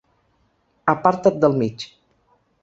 Aparta't del mig.